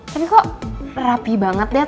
tapi kok rapi banget deh